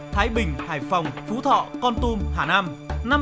thái bình hải phòng phú thọ con tum hà nam